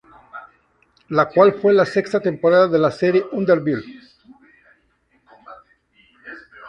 La cual fue la sexta temporada de la serie Underbelly.